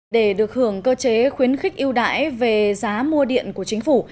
để được hưởng cơ chế khuyến khích yêu đại về giá mua điện của chính phủ